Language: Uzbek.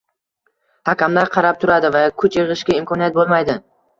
hakamlar qarab turadi va kuch yig’ishga imkoniyat bo’lmaydi